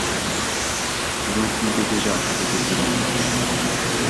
Vous m’intimidez déjà avec vos plaisanteries.